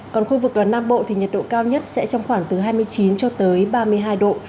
còn khu vực và nam bộ thì nhiệt độ cao nhất sẽ trong khoảng từ hai mươi chín cho tới ba mươi hai độ